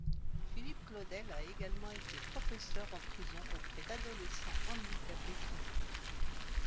Philippe Claudel a également été professeur en prison et auprès d'adolescents handicapés physiques.